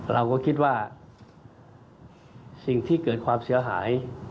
เราก็คิดว่าสิ่งที่เกิดความเสียหาย